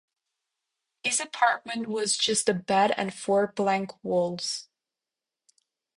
His apartment was just a bed and four blank walls.